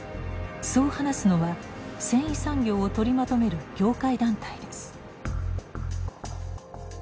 そう話すのは繊維産業を取りまとめる業界団体です。